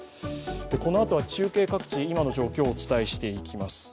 このあとは中継各地、今の状況をお伝えしていきます。